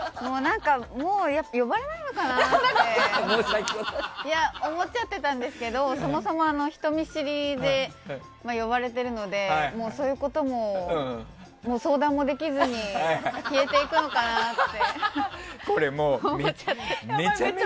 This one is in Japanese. もう呼ばれないのかなって思っちゃってたんですけどそもそも人見知りで呼ばれてるのでもうそういうことも相談もできずに消えていくのかなって思っちゃって。